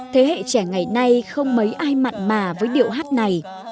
thế hệ trẻ ngày nay không mấy ai mặn mà với điệu hát này